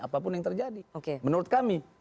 apapun yang terjadi menurut kami